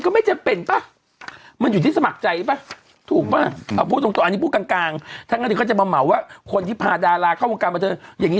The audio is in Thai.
ไม่เห็นจะต้องผ่านทุกคนเลยทุกวันนี้